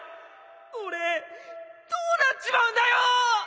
俺どうなっちまうんだよ！？